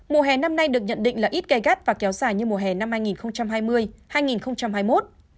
mùa hè năm nay được nhận định là ít gai gắt và kéo dài như mùa hè năm hai nghìn hai mươi hai nghìn hai mươi một